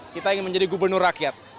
kita ingin menjadi gubernur rakyat